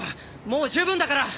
もう十分だから！